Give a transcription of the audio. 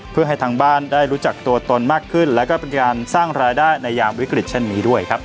เพื่อให้ทางบ้านได้รู้จักตัวตนมากขึ้นแล้วก็เป็นการสร้างรายได้ในยามวิกฤตเช่นนี้ด้วยครับ